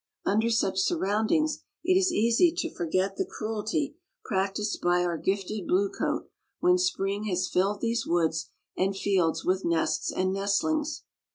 Under such surroundings it is easy to forget the cruelty practiced by our gifted blue coat when spring has filled these woods and fields with nests and nestlings.